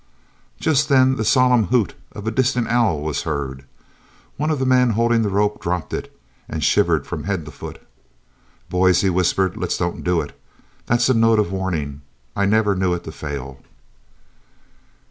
Just then the solemn hoot of a distant owl was heard. One of the men holding the rope dropped it, and shivered from head to foot. "Boys," he whispered, "let's don't do it. That's a note of warning. I never knew it to fail."